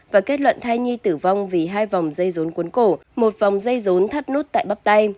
và kết luận thai nhi tử vong vì hai vòng dây rốn cuốn cổ một vòng dây rốn thắt nút tại bắp tay